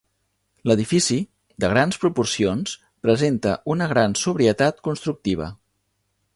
L'edifici, de grans proporcions, presenta una gran sobrietat constructiva.